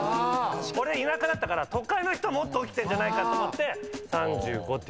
俺田舎だったから都会の人もっと起きてんじゃないかと思って３５っていう。